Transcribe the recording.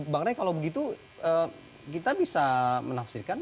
bang rey kalau begitu kita bisa menafsirkan